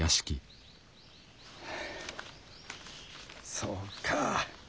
そうか！